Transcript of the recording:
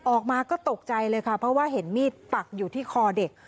ออกมาก็ตกใจเลยค่ะเพราะว่าเห็นมีดปักอยู่ที่คอเด็ก